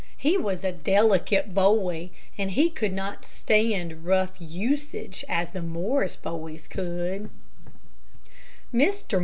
He was a delicate boy, and he could not stand rough usage as the Morris boys could. Mr.